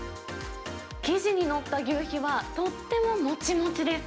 生地に載った求肥はとってももちもちです。